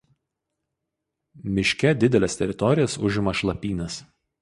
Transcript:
Miške dideles teritorijas užima šlapynės.